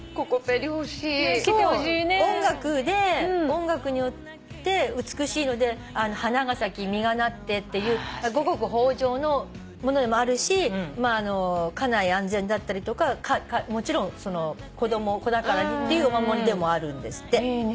音楽によって美しいので花が咲き実がなってっていう五穀豊穣のものでもあるし家内安全だったりとかもちろん子供子宝にっていうお守りでもあるんですって。